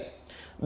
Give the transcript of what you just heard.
đào là kế toán